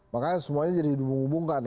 makanya semuanya jadi dihubungkan